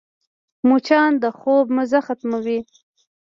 مچان د خوب مزه ختموي